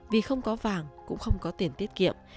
vì không có vàng cũng không có tiền tiết kiệm